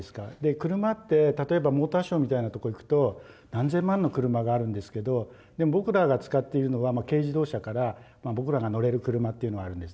車って例えばモーターショーみたいなとこ行くと何千万の車があるんですけどでも僕らが使っているのはまあ軽自動車からまあ僕らが乗れる車というのはあるんですね。